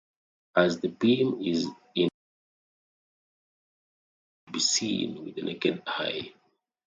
As the beam is infrared, it cannot be seen with the naked eye.